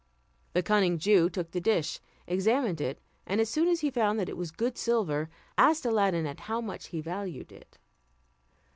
The cunning Jew took the dish, examined it, and as soon as he found that it was good silver, asked Aladdin at how much he valued it.